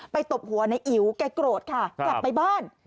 ไปตบหัวในอิ๋วใกล้โกรธค่ะกลับไปบ้าน